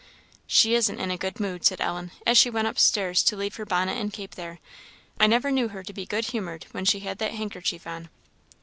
"She isn't in a good mood," said Ellen, as she went upstairs to leave her bonnet and cape there; "I never knew her to be good humoured when she had that handkerchief on."